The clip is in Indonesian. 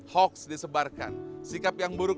hoax disebarkan sikap yang buruk